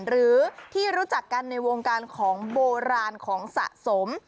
หรือที่รู้จักกันในวงการของโบราณของสะสม